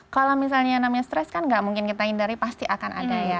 kalau misalnya namanya stres kan gak mungkin kita hindari pasti akan ada ya